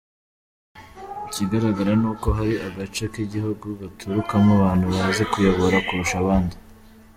Ikigaragara nuko hari agace k’igihugu gaturukamo abantu bazi kuyobora kurusha abandi.